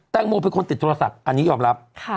งโมเป็นคนติดโทรศัพท์อันนี้ยอมรับ